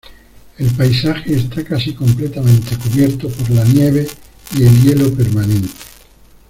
El paisaje está casi completamente cubierto por la nieve y el hielo permanente.